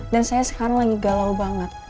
dan saya sekarang lagi galau banget